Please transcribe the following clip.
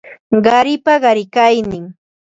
Qaripa qarikaynin